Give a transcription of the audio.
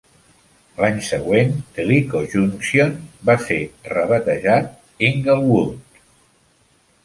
L'any següent, Tellico Junction va ser rebatejat Englewood.